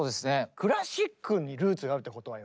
クラシックにルーツがあるってことはよ